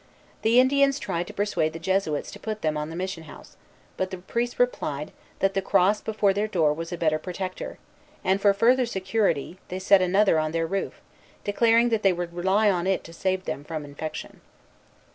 The Indians tried to persuade the Jesuits to put them on the mission house; but the priests replied, that the cross before their door was a better protector; and, for further security, they set another on their roof, declaring that they would rely on it to save them from infection.